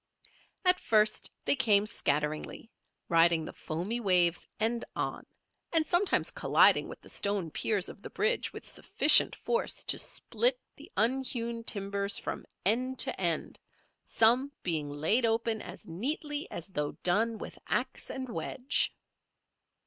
At first they came scatteringly, riding the foaming waves end on, and sometimes colliding with the stone piers of the bridge with sufficient force to split the unhewn timbers from end to end, some being laid open as neatly as though done with axe and wedge.